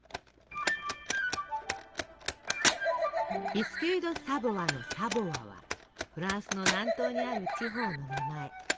ビスキュイ・ド・サヴォワの「サヴォワ」はフランスの南東にある地方の名前。